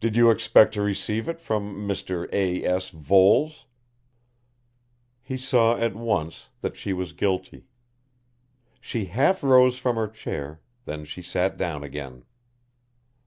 "Did you expect to receive it from Mr. A. S. Voles?" He saw at once that she was guilty. She half rose from her chair, then she sat down again.